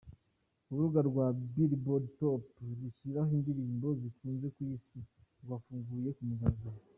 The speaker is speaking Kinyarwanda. Urubuga rwa Billboard Top , rushyira ho indirimbo zikunzwe ku isi rwafunguwe ku mugaragaro.